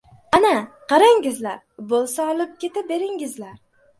Ana, qarangizlar. Bo‘lsa olib keta beringizlar.